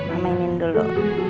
mama ini dulu